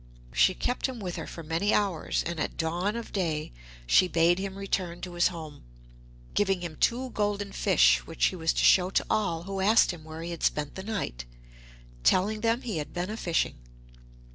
She kept him with her for many hours, and at dawn of day she bade him return to his home, giving him two golden fish which he was to show to all who asked him where he had spent the night, telling them he had been a'fishing.